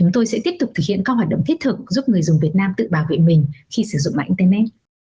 giúp người dùng việt nam tự bảo vệ mình khi sử dụng mạng internet